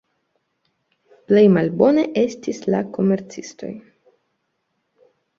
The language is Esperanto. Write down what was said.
Plej malbone estis al komercistoj.